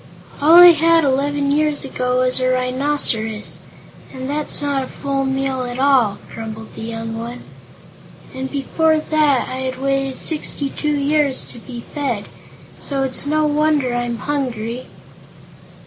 "All I had, eleven years ago, was a rhinoceros, and that's not a full meal at all," grumbled the young one. "And, before that, I had waited sixty two years to be fed; so it's no wonder I'm hungry."